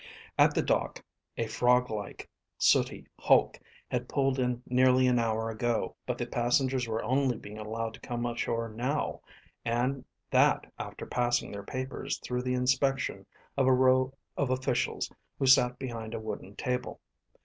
At the dock, a frog like, sooty hulk had pulled in nearly an hour ago. But the passengers were only being allowed to come ashore now, and that after passing their papers through the inspection of a row of officials who sat behind a wooden table.